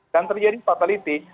dan terjadi fatality